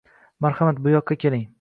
Marhamat, buyoqqa keling.